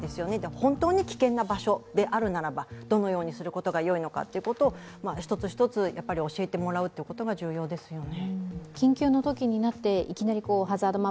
本当に危険な場所であるならば、どのようにすることがよいのか、一つ一つ教えてもらうっていうことが重要ですよね。